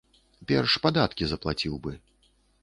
Перш падаткі заплаціў бы.